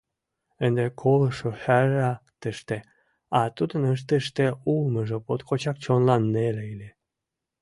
Ынде колышо хӓрра тыште, а тудын тыште улмыжо моткочак чонлан неле ыле.